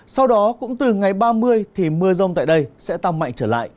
sau đó cũng từ ngày ba mươi thì mưa rông tại đây sẽ tăng mạnh trở lại